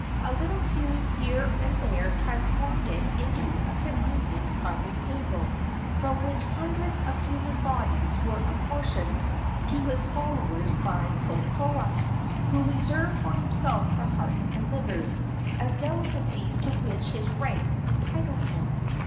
A little hewing here and there transformed it into a convenient carving table, from which hundreds of human bodies were apportioned to his followers by Kokoa, who reserved for himself the hearts and livers, as delicacies to which his rank entitled him.